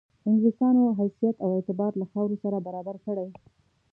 انګلیسیانو حیثیت او اعتبار له خاورو سره برابر کړي.